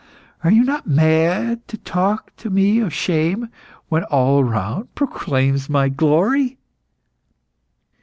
Are you not mad to talk to me of shame when all around proclaims my glory?"